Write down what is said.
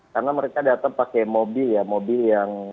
karena mereka datang pakai mobil ya mobil yang sepatusnya